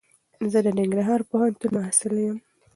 زه دننګرهار پوهنتون محصل یم.